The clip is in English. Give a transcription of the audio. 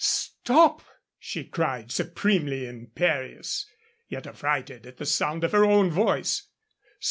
"Stop!" she cried, supremely imperious, yet affrighted at the sound of her own voice.